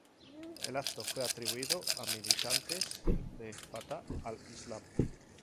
El acto fue atribuido a militantes de Fatah al-Islam.